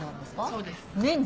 そうです。